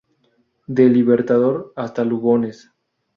Del Libertador hasta Lugones.